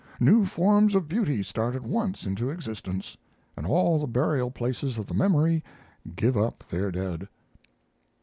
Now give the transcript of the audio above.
New forms of beauty start at once into existence, and all the burial places of the memory give up their dead."